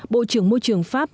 bộ trưởng môi trường pháp